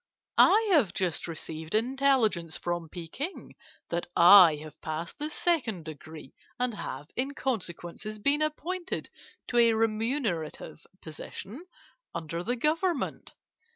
I have just received intelligence from Peking that I have passed the second degree, and have in consequence been appointed to a remunerative position under the Government.